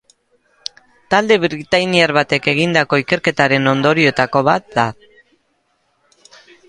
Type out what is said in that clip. Talde britainiar batek egindako ikerketaren ondorioetako bat da.